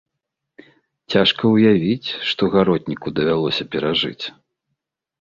Цяжка ўявіць, што гаротніку давялося перажыць.